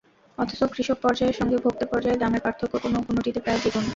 অথচ কৃষক পর্যায়ের সঙ্গে ভোক্তা পর্যায়ে দামের পার্থক্য কোনো কোনোটিতে প্রায় দ্বিগুণ।